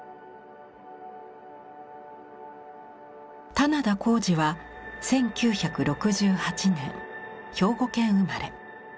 棚田康司は１９６８年兵庫県生まれ。